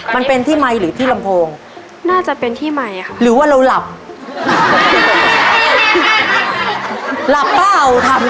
ไม่ได้หลับนะ